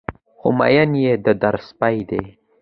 خو مين يې د در سپى دى